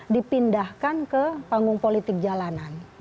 dipindahkan ke panggung politik jalanan